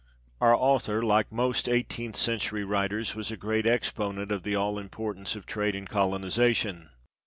' Our author, like most eighteenth century writers, was a great exponent of the all importance of trade and xx THE EDITOR'S PREFACE. colonization.